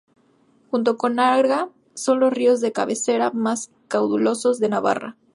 Junto con el Arga son los ríos de cabecera más caudalosos de Navarra.